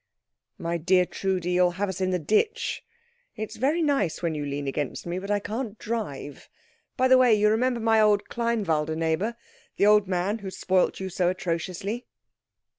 "My dear Trudi, you'll have us in the ditch. It is very nice when you lean against me, but I can't drive. By the way, you remember my old Kleinwalde neighbour? The old man who spoilt you so atrociously?"